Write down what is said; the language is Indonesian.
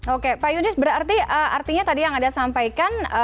oke pak yunis berarti artinya tadi yang anda sampaikan